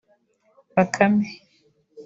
‘Bakame’